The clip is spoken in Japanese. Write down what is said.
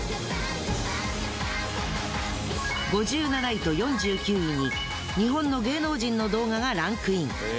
５７位と４９位に日本の芸能人の動画がランクイン。